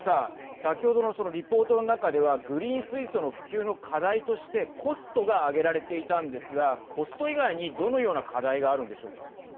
先ほどのそのリポートの中ではグリーン水素の普及の課題としてコストが挙げられていたんですがコスト以外に、どのような課題があるんでしょうか。